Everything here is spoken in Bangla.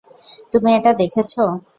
তুমি এটা দেখেছ?